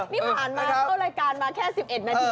นี่ผ่านมาเข้ารายการมาแค่๑๑นาที